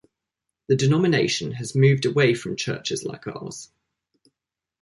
The denomination has moved away from churches like ours.